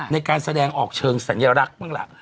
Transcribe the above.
ในการแสดงออกเชิงสัญลักษณ์บ้างล่ะ